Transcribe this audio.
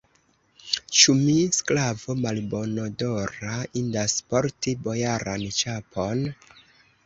Ĉu mi, sklavo malbonodora, indas porti bojaran ĉapon?